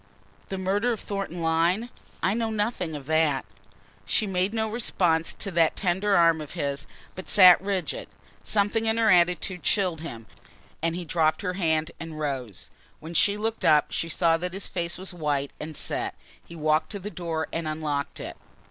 "The murder of Thornton Lyne? I know nothing of that." She made no response to that tender arm of his, but sat rigid. Something in her attitude chilled him and he dropped her hand and rose. When she looked up she saw that his face was white and set. He walked to the door and unlocked it.